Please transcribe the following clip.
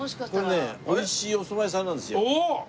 ここねおいしいおそば屋さんなんですよ。